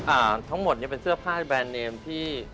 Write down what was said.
อ่าทั้งหมดเนี้ยเป็นเสื้อผ้าแบรนด์เนมที่